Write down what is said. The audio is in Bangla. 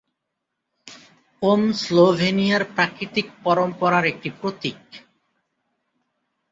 ওম স্লোভেনিয়ার প্রাকৃতিক পরম্পরার একটি প্রতীক।